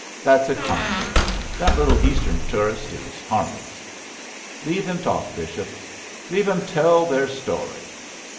That's economy. That little Eastern toorist is harmless." "Leave him talk, Bishop. Leave 'em all tell their story."